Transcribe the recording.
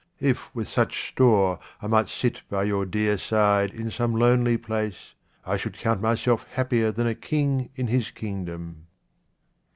If with such store I might sit by your dear side in some lonely place, I should count myself happier than a king in his kingdom.